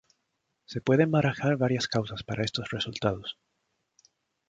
Se pueden barajar varias causas para estos resultados.